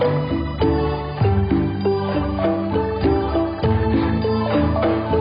ที่สุดท้ายที่สุดท้ายที่สุดท้าย